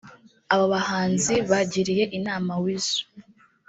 Aba bahanzi bagiriye inama Weasel